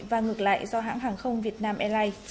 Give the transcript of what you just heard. và ngược lại do hãng hàng không việt nam airlines